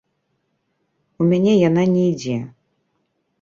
У мяне яна не ідзе.